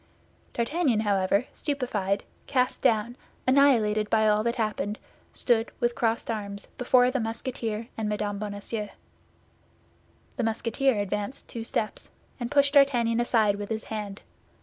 D'Artagnan, however, stupefied, cast down, annihilated by all that happened, stood, with crossed arms, before the Musketeer and Mme. Bonacieux. The Musketeer advanced two steps, and pushed D'Artagnan aside with his hand.